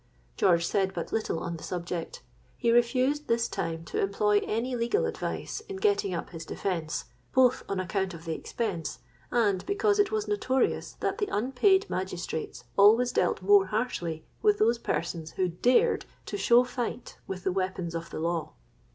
George said but little on the subject: he refused this time to employ any legal advice in getting up his defence, both on account of the expense, and because it was notorious that the unpaid magistrates always dealt more harshly with those persons who dared to show fight with the weapons of the law.